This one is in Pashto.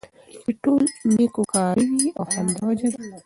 چې ټول نيكو كاره وي او همدا وجه ده